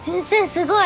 すごい。